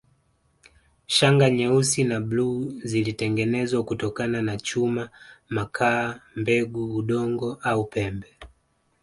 Shanga nyeusi na bluu zilitengenezwa kutokana na chuma makaa mbegu udongo au pembe